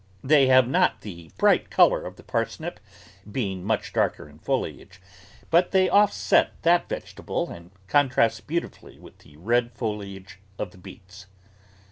They have not the bright colour of the parsnip, being much darker in foliage, but they offset that vegetable and con trast beautifully with the red foliage of the beets.